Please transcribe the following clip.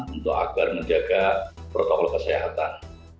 untuk agar menjaga protokol kesehatan